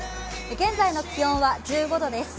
現在の気温は１５度です。